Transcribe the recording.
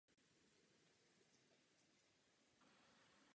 Střechu pokrýval šindel.